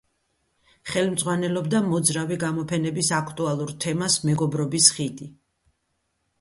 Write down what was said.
ხელმძღვანელობდა მოძრავი გამოფენების აქტუალურ თემას „მეგობრობის ხიდი“.